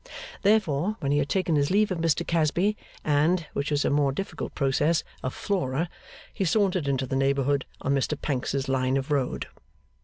Therefore, when he had taken his leave of Mr Casby, and (which was a more difficult process) of Flora, he sauntered in the neighbourhood on Mr Pancks's line of road.